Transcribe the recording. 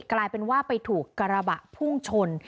กลายเป็นว่าไปถูกกระบะพุ่งชน